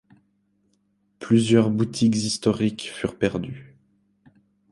Plusieurs boutiques historiques furent perdues.